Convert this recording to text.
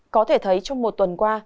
có thể thấy trong một tuần qua